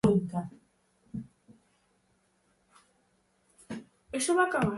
Pouco. Iso vai acabar?